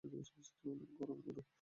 অনেক গরম, গুরু!